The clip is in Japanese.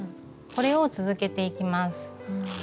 これを続けていきます。